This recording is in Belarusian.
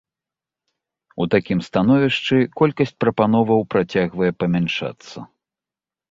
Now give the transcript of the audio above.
У такім становішчы колькасць прапановаў працягвае памяншацца.